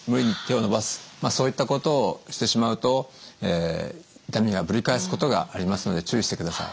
まあそういったことをしてしまうと痛みがぶり返すことがありますので注意してください。